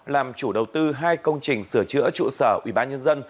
làm chủ đầu tư hai công trình sửa chữa trụ sở ubnd